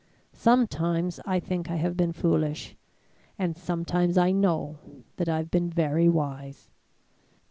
Sometimes I think I have been foolish; and sometimes I know that I have been very wise.